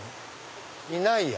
いないや。